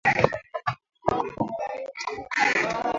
Mapigano baina ya polisi yameuwa takriban watu mia moja angu wakati huo